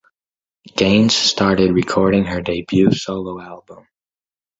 Gaines started recording her debut solo album.